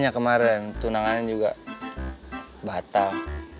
kemaren tunangannya juga batal